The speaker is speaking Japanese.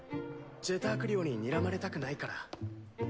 ジェターク寮ににらまれたくないから。